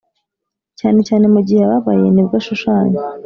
cyane cyane mu gihe ababaye nibwo ashushanya.